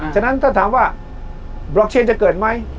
ฉะนั้นถ้าถามว่าบล็อกเชนจะเกิดไหม